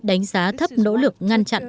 đánh giá thấp nỗ lực ngăn chặn